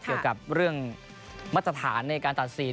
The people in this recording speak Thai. เกี่ยวกับเรื่องมาตรฐานในการตัดสิน